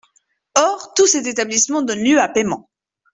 Or tous ces établissements donnent lieu à paiement.